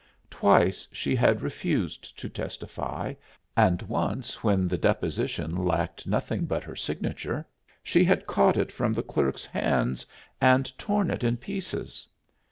Twice she had refused to testify, and once, when the deposition lacked nothing but her signature, she had caught it from the clerk's hands and torn it in pieces.